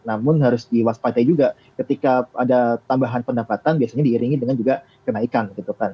namun harus diwaspadai juga ketika ada tambahan pendapatan biasanya diiringi dengan juga kenaikan gitu kan